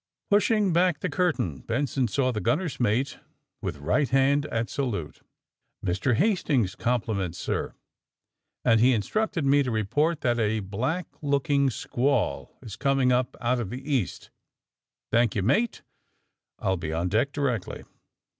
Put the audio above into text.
Pushing back the curtain Benson saw the gunner's mate with right hand at salute. ^^Mr. Hastings's compliments, sir, and he in structed me to report that a black looking squall is coming up out of the east. ''^^ Thank you, mate. I'll be on deck directly."